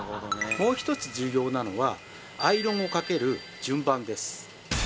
もう一つ重要なのはアイロンをかける順番です。